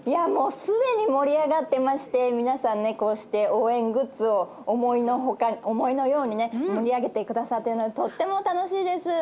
すでに盛り上がっていまして皆さん、こうして応援グッズで盛り上げてくださってるのはとても楽しいです。